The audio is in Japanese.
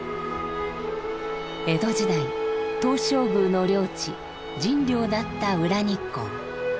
江戸時代東照宮の領地神領だった裏日光。